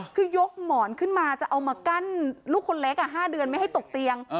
คือยกหมอนขึ้นมาจะเอามากั้นลูกคนเล็ก๕เดือนไม่ให้ตกเตียง